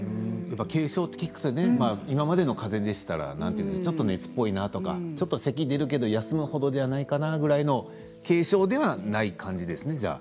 軽症と聞くと今までのかぜでしたらちょっと熱っぽいなとかちょっとせきが出るけど休むほどじゃないかなぐらいの軽症ではない感じですね